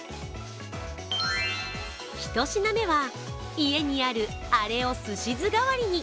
１品目は、家にあるアレをすし酢代わりに。